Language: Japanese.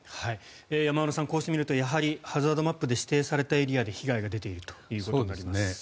山村さん、こうして見るとハザードマップで指定されたエリアで被害が出ているということになります。